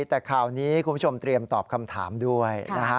แต่ข่าวนี้คุณผู้ชมเตรียมตอบคำถามด้วยนะฮะ